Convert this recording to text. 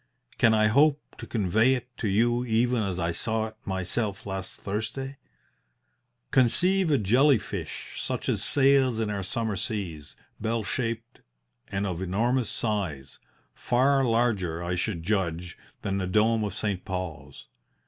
Can I hope to convey it to you even as I saw it myself last Thursday? "Conceive a jelly fish such as sails in our summer seas, bell shaped and of enormous size far larger, I should judge, than the dome of St. Paul's.